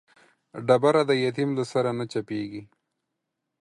ډبره د يتيم له سره نه چپېږي.